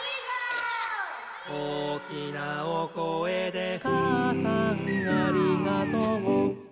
「おーきなおこえでかあさんありがとう」